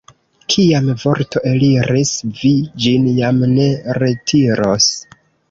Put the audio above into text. Kiam vorto eliris, vi ĝin jam ne retiros.